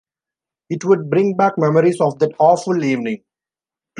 It would bring back memories of that awful evening.